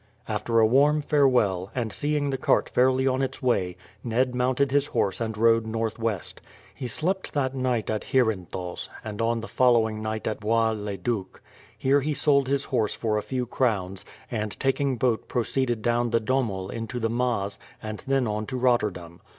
After a warm farewell, and seeing the cart fairly on its way, Ned mounted his horse and rode northwest. He slept that night at Heerenthals, and on the following night at Bois le Duc. Here he sold his horse for a few crowns, and taking boat proceeded down the Dommel into the Maas, and then on to Rotterdam.